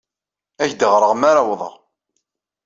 Ad ak-d-ɣreɣ mi ara awḍeɣ.